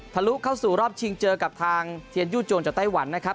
ลุเข้าสู่รอบชิงเจอกับทางเทียนยู่โจงจากไต้หวันนะครับ